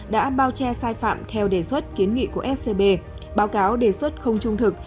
đã bao che sai phạm theo đề xuất kiến nghị của scb báo cáo đề xuất không trung thực